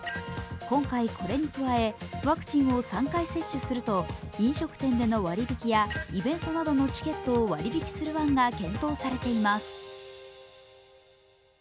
今回これに加え、ワクチンを３回接種すると飲食店での割り引きやイベントなどのチケットを割引する案が検討されています。